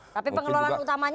tapi pengelolaan utamanya di